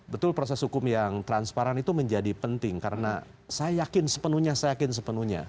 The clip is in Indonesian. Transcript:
betul proses hukum yang transparan itu menjadi penting karena saya yakin sepenuhnya saya yakin sepenuhnya